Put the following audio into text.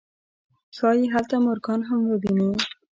ښايي هلته مورګان هم وويني.